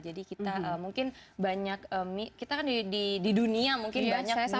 jadi kita mungkin banyak kita kan di dunia mungkin banyak miss gitu